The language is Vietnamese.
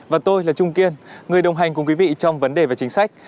và tôi là trung kiên người đồng hành cùng quý vị trong vấn đề về chính sách